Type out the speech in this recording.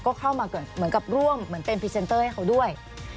ก็เข้ามาเหมือนกับร่วมเหมือนเป็นพรีเซนเตอร์ให้เขาด้วย